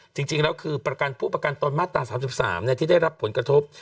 จริงแล้วคือประกันผู้ประกันตนมาตรา๓๓ที่ได้รับผลกระทบ